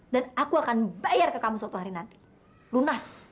dan aku akan bayar ke kamu suatu hari nanti lunas